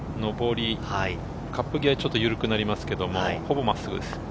カップぎわは、ちょっと緩くなりますが、ほぼ真っすぐです。